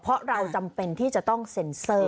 เพราะเราจำเป็นที่จะต้องเซ็นเซอร์